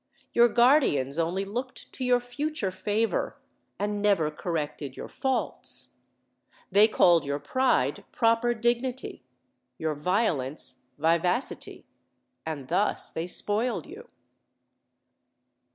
Your guardians only looked to your future favor, and never corrected your 114 OLD, OLD FAIRY TALES. faults. They called your pride proper dignity, your violence vivacity, and thus they spoiled you."